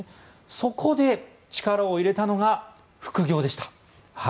そこで力を入れたのが副業でした。